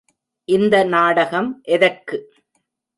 இந்த நாடகம் எதற்கு?